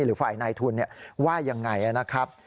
หรือฝ่ายนายทุนว่ายังไงนะครับ